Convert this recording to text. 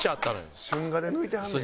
そう春画で抜いてはんねん。